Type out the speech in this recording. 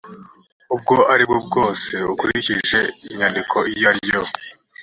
ubwo ari bwo bwose akurikije inyandiko iyo ariyo